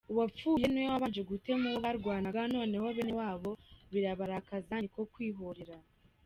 Uwapfuye niwe wabanje gutema uwo barwanaga noneho bene wabo birabarakaza niko kwihorera.